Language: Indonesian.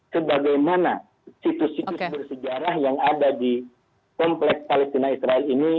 sebagaimana situs situs bersejarah yang ada di komplek palestina israel ini